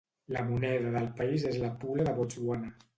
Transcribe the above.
La moneda del país és la pula de Botswana.